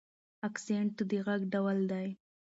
اکسنټ د غږ ډول دی.